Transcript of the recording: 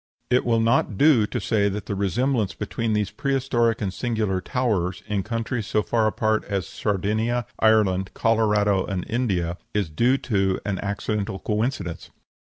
It will not do to say that the resemblance between these prehistoric and singular towers, in countries so far apart as Sardinia, Ireland, Colorado, and India, is due to an accidental coincidence.